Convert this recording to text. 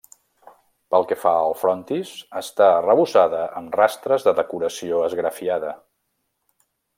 Pel que fa al frontis, està arrebossada amb rastres de decoració esgrafiada.